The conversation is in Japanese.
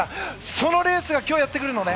そのレースが今日やってくるんです。